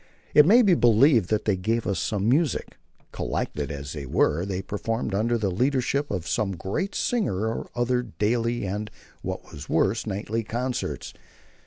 It may be believed that they gave us some music. Collected as they were, they performed under the leadership of some great singer or other daily, and, what was worse, nightly concerts.